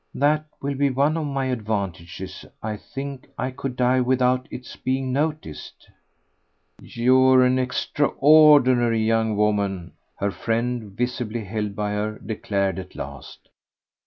"That will be one of my advantages. I think I could die without its being noticed." "You're an extraordinary young woman," her friend, visibly held by her, declared at last.